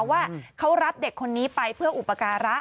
ว่าเขารับเด็กคนนี้ไปเพื่ออุปการะ